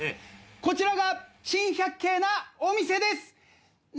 こちらが珍百景なお店です！